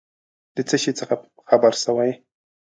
د څه شي څخه خبر سوې ؟